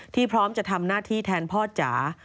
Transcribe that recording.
พร้อมจะทำหน้าที่แทนพ่อจ๋า